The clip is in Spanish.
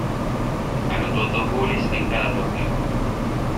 Anotó dos goles en cada torneo.